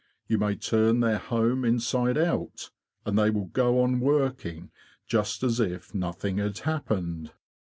You may turn their home inside out, and they will go on working just as if nothing had happened.